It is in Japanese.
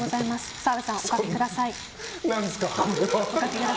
澤部さん、おかけください。